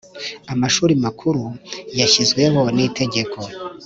Amashuri Makuru yashyizweho n Itegeko